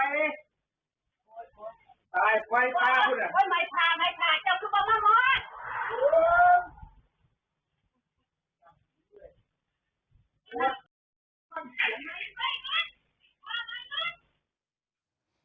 ไอ้ไฟพาพูด่ะไม่พาไม่พาเจ้าคือบอมมามอส